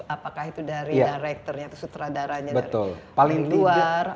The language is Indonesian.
apakah itu dari directornya atau sutradaranya dari luar